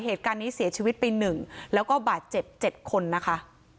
เหตุการณ์นี้เสียชีวิตไป๑แล้วก็บาดเจ็บ๗คนนะคะ